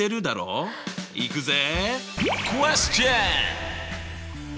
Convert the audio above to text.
いくぜ！